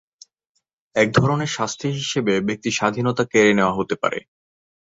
এক ধরণের শাস্তি হিসেবে ব্যক্তির স্বাধীনতা কেড়ে নেওয়া হতে পারে।